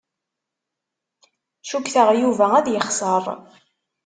Cukkteɣ Yuba ad yexṣer.